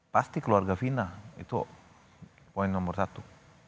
pasti keluarga fina itu poin nomor satu